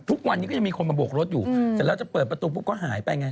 ทุกวันนี้ก็ยังมีคนมาโบกรถอยู่เสร็จแล้วจะเปิดประตูปุ๊บก็หายไปไง